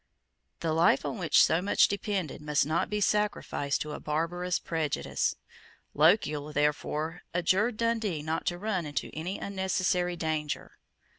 The life on which so much depended must not be sacrificed to a barbarous prejudice. Lochiel therefore adjured Dundee not to run into any unnecessary danger.